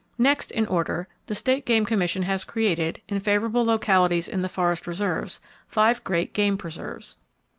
Next in order, the State Game Commission has created, in favorable localities in the forest reserves, five great game preserves.